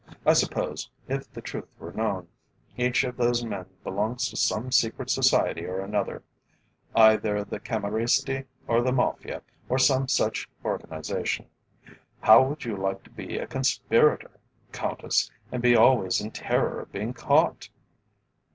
I suppose, if the truth were known, each of those men belongs to some secret society or another. Either the Cammoristi, or the Mafia, or some such organisation. How would you like to be a conspirator, Countess, and be always in terror of being caught?"